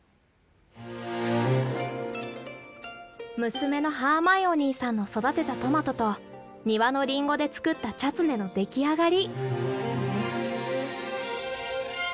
娘のハーマイオニーさんの育てたトマトと庭のリンゴで作ったチャツネの出来上がり。